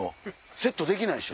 セットできないでしょ？